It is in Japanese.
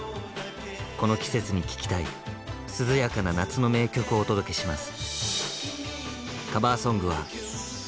この季節に聴きたい涼やかな夏の名曲をお届けします。